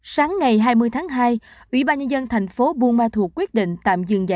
sáng ngày hai mươi tháng hai ủy ban nhân dân thành phố buôn ma thuộc quyết định tạm dừng dạy học